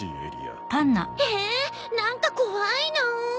え何か怖いなぁ。